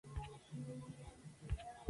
Tsubasa Sano